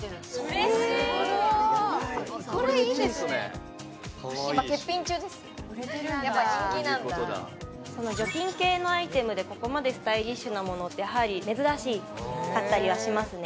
これめっちゃいいすね今欠品中ですよやっぱ人気なんだこの除菌系のアイテムでここまでスタイリッシュなものってやはり珍しかったりはしますね